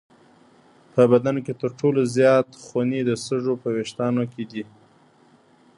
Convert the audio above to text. په بدن کې تر ټولو زیات خونې د سږو په وېښتانو کې دي.